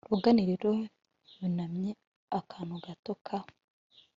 logan rero yunamye akantu gato ka